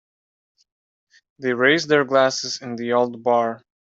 They raised their glasses in the old bar.